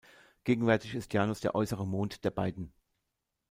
Gegenwärtig ist Janus der äußere Mond der beiden.